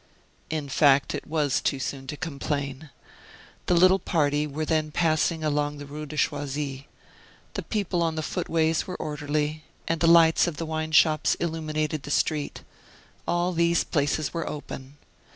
In fact, it was too soon to complain. The little party were then passing along the Rue de Choisy. The people on the footways were orderly; and the lights of the wine shops illuminated the street. All these places were open.